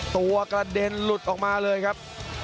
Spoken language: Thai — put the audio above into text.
กระเด็นหลุดออกมาเลยครับ